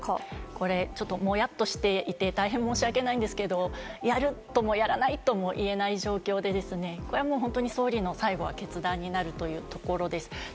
これちょっと、もやっとしていて大変申し訳ないんですけど、やるともやらないとも言えない状況でですね、これ本当に総理の最後、決断になるというところです。